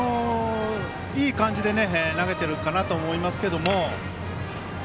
いい感じで投げてるかなと思いますけども。